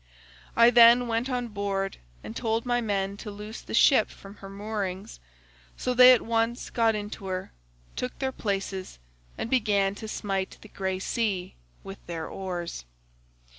I then went on board and told my men to loose the ship from her moorings; so they at once got into her, took their places, and began to smite the grey sea with their oars.